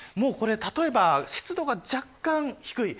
例えば、湿度が若干低い。